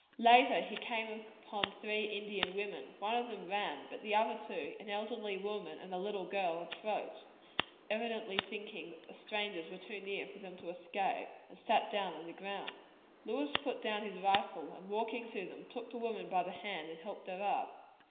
Later he came upon three Indian women; one of them ran, but the other two, an elderly woman and a little girl, approached, evidently thinking that the strangers were too near for them to escape, and sat down on the ground. Lewis put down his rifle and walking to them, took the woman by the hand, and helped her up.